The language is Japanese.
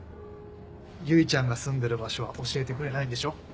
唯ちゃんが住んでる場所は教えてくれないんでしょ？